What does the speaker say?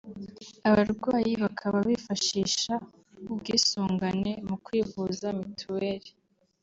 abarwayi bakaba bifashisha ubwisungane mu kwivuza Mitiweli